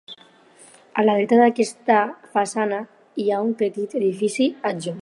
A la dreta d'aquesta façana, hi ha un petit edifici adjunt.